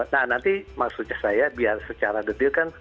nah nanti maksud saya biar secara detail kan